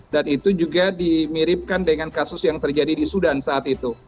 dan itu juga dimiripkan dengan kasus yang terjadi di sudan saat itu